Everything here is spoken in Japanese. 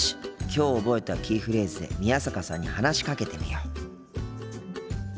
きょう覚えたキーフレーズで宮坂さんに話しかけてみよう。